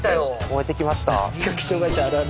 燃えてきました？